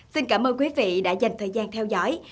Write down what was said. xin cảm ơn quý vị đã dành thời gian theo dõi